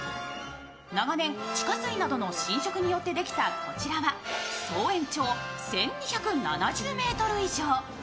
長年地下水などの浸食によってできたこちらは総延長１２７０ｍ以上。